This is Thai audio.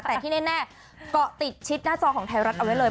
แต่ที่แน่เกาะติดชิดหน้าจอของไทยรัฐเอาไว้เลย